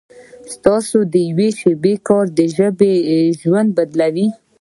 ستاسو د یوې شېبې کار د ژبې ژوند بدلوي.